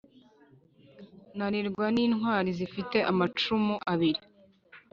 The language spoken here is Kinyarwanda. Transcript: nanirwa n'intwali zifite amacumu abili.